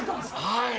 はい。